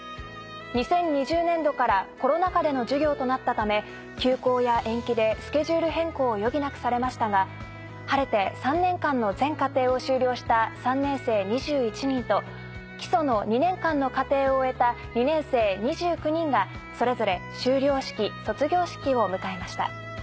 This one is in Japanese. ２０２０年度からコロナ禍での授業となったため休講や延期でスケジュール変更を余儀なくされましたが晴れて３年間の全課程を修了した３年生２１人と基礎の２年間の課程を終えた２年生２９人がそれぞれ修了式・卒業式を迎えました。